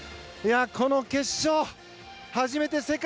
この決勝、初めての世界。